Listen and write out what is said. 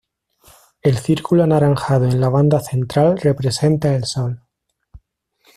El círculo anaranjado en la banda central representa el sol.